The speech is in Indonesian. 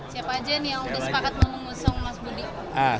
siapa aja yang sudah sepakat mengusung mas budi